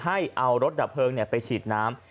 ให้เอารถดับเพลิงไปฉีดน้ำ